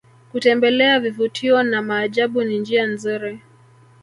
kutembelea vivutio na maajabu ni njia nzuri